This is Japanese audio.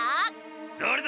・だれだ？